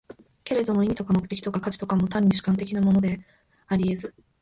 けれども意味とか目的とか価値とかも、単に主観的なものであり得ず、